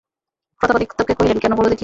প্রতাপাদিত্য কহিলেন, কেন বলো দেখি?